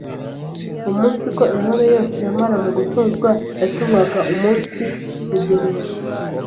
umunsiko Intore yose yamaraga gutozwa yatumwaga umunsi rugerero”.